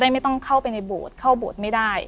ไม่ต้องเข้าไปในโบสถ์เข้าโบสถ์ไม่ได้